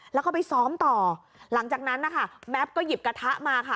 แล้วก็ไปซ้อมต่อหลังจากนั้นนะคะแม็ปก็หยิบกระทะมาค่ะ